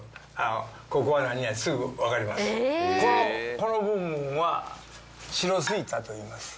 この部分は白巣板といいます。